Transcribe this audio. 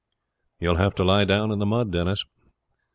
"You will have to lie down in the mud, Denis."